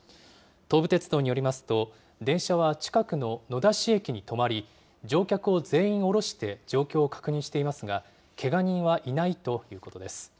東武鉄道によりますと、電車は近くの野田市駅に止まり、乗客を全員降ろして状況を確認していますが、けが人はいないということです。